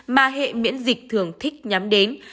mà hệ miễn dịch thường thích nhắm đến